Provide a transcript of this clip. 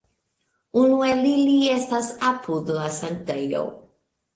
Unu el ili estas apud la Sanktejo.